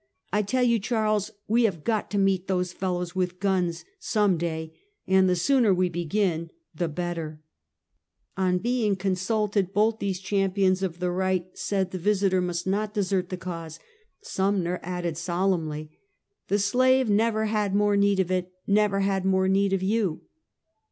I tell you, Charles, we have got to meet those fellows with guns, some day, and the sooner we begin, the better." Sumner, Buklingame and Cassifs M. Clay. 161 On being consulted, both these champions of the right said the Visiter must not desert the cause. Sumner added solemnly: " The slave never had more need of it; never had more need of you."